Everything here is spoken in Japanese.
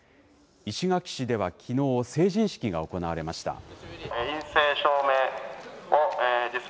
石垣市ではきのう、成人式が行われました。